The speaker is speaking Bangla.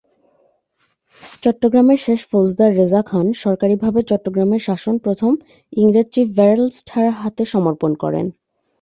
চট্টগ্রামের শেষ ফৌজদার রেজা খান সরকারিভাবে চট্টগ্রামের শাসন প্রথম ইংরেজ চিফ ভেরেলস্ট-এর হাতে সমর্পণ করেন।